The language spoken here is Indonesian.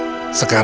kau bisa ambil